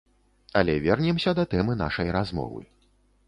Але вернемся да тэмы нашай размовы.